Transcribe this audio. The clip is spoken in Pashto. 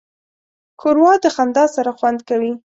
ښوروا د خندا سره خوند کوي.